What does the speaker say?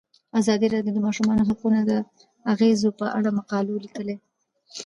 ازادي راډیو د د ماشومانو حقونه د اغیزو په اړه مقالو لیکلي.